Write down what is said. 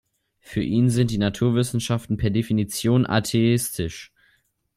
Für ihn sind die Naturwissenschaften „per Definition atheistisch“.